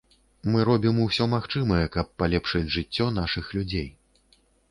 Мы робім усё магчымае, каб палепшыць жыццё нашых людзей.